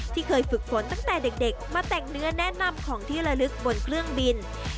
เคยฝึกฝนตั้งแต่เด็กมาแต่งเนื้อแนะนำของที่ระลึกบนเครื่องบิน